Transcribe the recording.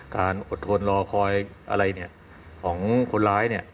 การอดทนรอคอยอะไรของคนร้าย